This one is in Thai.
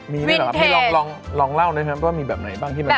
มีด้วยหรอครับลองเล่าด้วยครับว่ามีแบบไหนบ้างที่มันแปลก